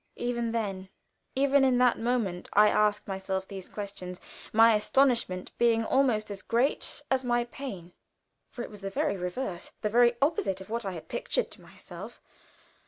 Even then, even in that moment I asked myself these questions, my astonishment being almost as great as my pain, for it was the very reverse, the very opposite of what I had pictured to myself.